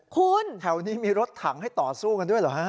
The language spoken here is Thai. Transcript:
คุณแถวนี้มีรถถังให้ต่อสู้กันด้วยเหรอฮะ